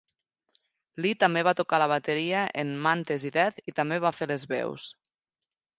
Lee també va tocar la bateria en Mantes i Death i també va fer les veus.